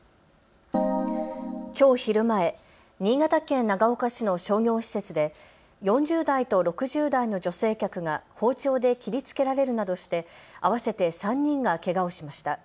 きょう昼前、新潟県長岡市の商業施設で４０代と６０代の女性客が包丁で切りつけられるなどして合わせて３人がけがをしました。